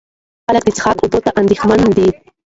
خلک د څښاک اوبو ته اندېښمن دي.